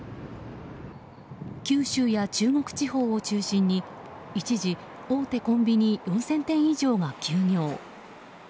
九州や中国地方を中心に一時、大手コンビニ４０００店以上が休業。